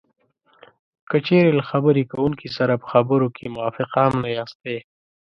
که چېرې له خبرې کوونکي سره په خبرو کې موافق هم نه یاستی